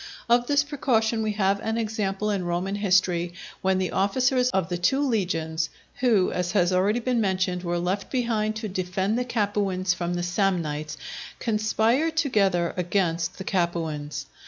Of this precaution we have an example in Roman history, when the officers of the two legions, who, as has already been mentioned, were left behind to defend the Capuans from the Samnites, conspired together against the Capuans.